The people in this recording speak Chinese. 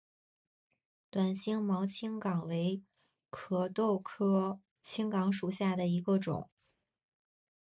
短星毛青冈为壳斗科青冈属下的一个种。